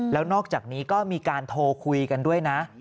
แล้วนอกจากนี้ก็มีการโทรคุยกันด้วยนะ